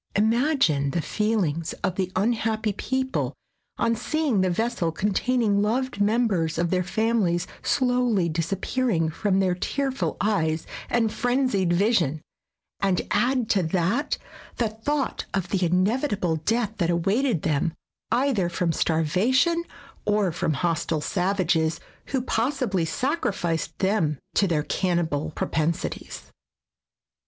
Imagine the feelings of the unhappy people on seeing the vessel containing loved mem bers of their families slowly disappearing from their tearful eyes and frenzied vision, and add to that the thought of the inevi table death that awaited them either from starvation or from hostile savages, who possibly sacrificed them to their cannibal propensities.